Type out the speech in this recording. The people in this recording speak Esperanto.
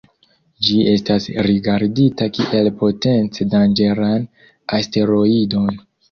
Ĝi estas rigardita kiel potence danĝeran asteroidon.